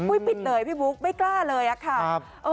ปุ๊ยปิดเลยพี่บุ๊กไม่กล้าเลยค่ะ